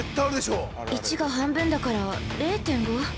◆１が半分だから０．５？